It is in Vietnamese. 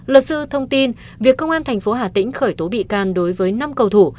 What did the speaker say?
luật sư thông tin việc công an thành phố hà tĩnh khởi tố bị can đối với năm cầu thủ